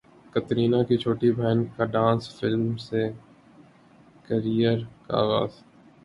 کترینہ کی چھوٹی بہن کا ڈانس فلم سے کیریئر کا اغاز